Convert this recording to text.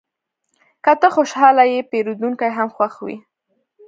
که ته خوشحاله یې، پیرودونکی هم خوښ وي.